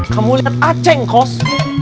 kamu liat aceng kos